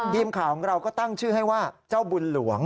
ทีมข่าวของเราก็ตั้งชื่อให้ว่าเจ้าบุญหลวง